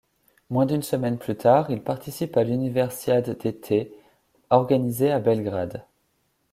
Moins d'une semaine plus tard, il participe à l'Universiade d'été organisée à Belgrade.